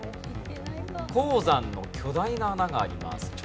鉱山の巨大な穴があります。